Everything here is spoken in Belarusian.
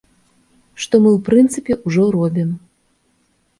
Што мы, у прынцыпе, ужо робім.